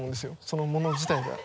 そのもの自体が。